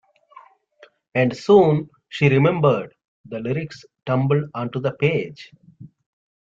And soon, she remembered, the lyrics tumbled onto the page.